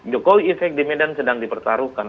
jokowi efek di medan sedang dipertaruhkan